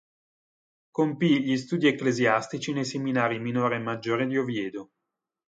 Compì gli studi ecclesiastici nei seminari minore e maggiore di Oviedo.